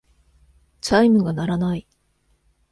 チャイムが鳴らない。